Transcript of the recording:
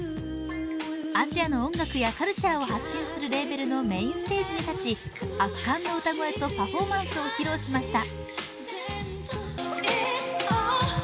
アジアの音楽やカルチャーを発信するレーベルのメインステージに立ち圧巻の歌声とパフォーマンスを披露しました。